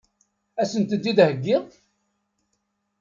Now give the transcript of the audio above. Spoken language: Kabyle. Ad sen-ten-id-theggiḍ?